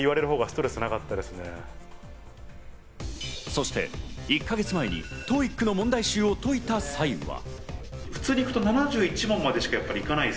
そして１か月前にＴＯＥＩＣの問題集を解いた際には。